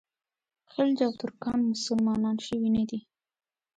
خلج او ترکان مسلمانان شوي نه دي.